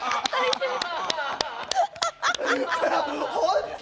本当？